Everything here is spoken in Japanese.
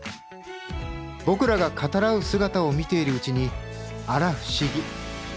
僕らが語らう姿を見ているうちにあら不思議。